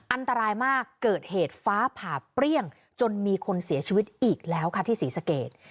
อันตรายมากเกิดเหตุฟ้าผ่าเปรี้ยงจนมีคนเสียชีวิตอีกแล้วค่ะที่ศรีสเกต